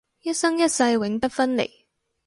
一生一世永不分離